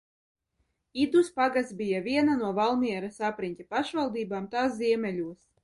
Idus pagasts bija viena no Valmieras apriņķa pašvaldībām tā ziemeļos.